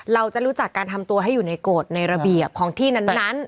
เราจะรู้จักการทำตัวให้อยู่ในโกรธในระเบียบของที่นั้น